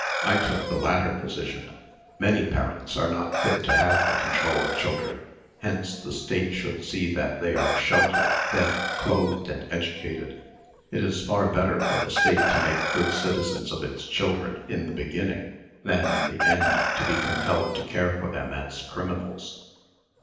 I took the latter position. Many parents are not fit to have the control of children, hence the State should see that they are sheltered, fed, clothed, and educated. It is far better for the State to make good citizens of its children in the beginning, than, in the end, to be compelled to care for them as criminals.